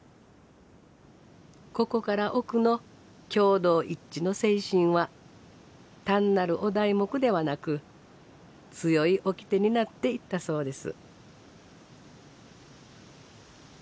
ここから奥の「共同一致」の精神は単なるお題目ではなく強い掟になっていったそうです。